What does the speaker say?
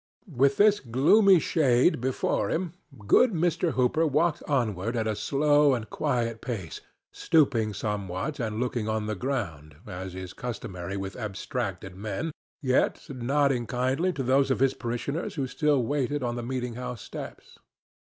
With this gloomy shade before him good Mr. Hooper walked onward at a slow and quiet pace, stooping somewhat and looking on the ground, as is customary with abstracted men, yet nodding kindly to those of his parishioners who still waited on the meeting house steps.